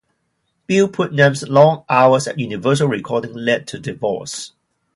Bill Putnam's long hours at Universal Recording led to divorce.